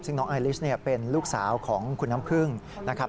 ซึ่งน้องไอลิสเป็นลูกสาวของคุณน้ำพึ่งนะครับ